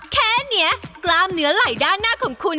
แค่นี้กล้ามเนื้อไหลด้านหน้าของคุณ